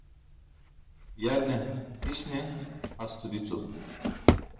Yarne diś ne hasto dico